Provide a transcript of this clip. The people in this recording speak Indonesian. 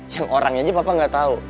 yang orangnya aja papa gak tau